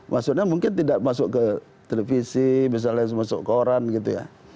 maksudnya mungkin tidak masuk ke televisi bisa langsung masuk ke koran gitu ya